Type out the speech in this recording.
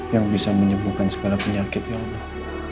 yang bisa menyembuhkan segala penyakit ya allah